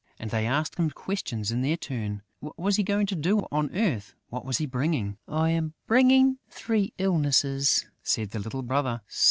And they asked him questions in their turn: what was he going to do on earth? What was he bringing? "I am bringing three illnesses," said the little brother.